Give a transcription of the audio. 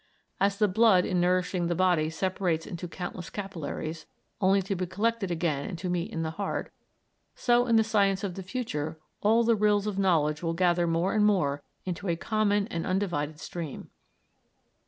As the blood in nourishing the body separates into countless capillaries, only to be collected again and to meet in the heart, so in the science of the future all the rills of knowledge will gather more and more into a common and undivided stream.